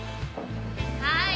はい。